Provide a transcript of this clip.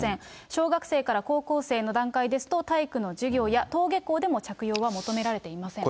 小学生から高校生の段階ですと、体育の授業や、登下校でも着用は求められていません。